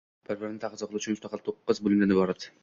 Bir-birini taqozo qiluvchi mustaqil to‘qqiz bo‘limdan iborat